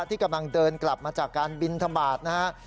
ที่กำลังเดินกลับมาจากการบินทบาทนะฮะ